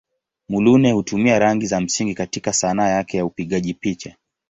Muluneh hutumia rangi za msingi katika Sanaa yake ya upigaji picha.